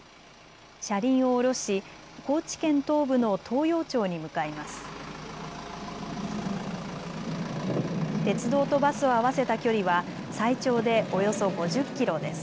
車輪を下ろし高知県東部の東洋町に向かいます。